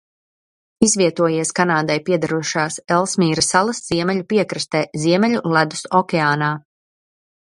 Izvietojies Kanādai piederošās Elsmīra salas ziemeļu piekrastē Ziemeļu Ledus okeānā.